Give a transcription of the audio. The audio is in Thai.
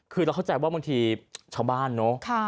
คือเราเข้าใจว่าบางทีชาวบ้านเนอะ